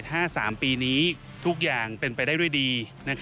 ถ้า๓ปีนี้ทุกอย่างเป็นไปได้ด้วยดี